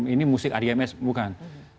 ini musik adms bukan